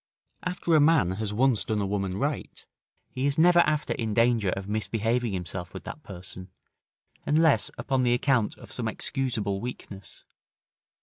After a man has once done a woman right, he is never after in danger of misbehaving himself with that person, unless upon the account of some excusable weakness.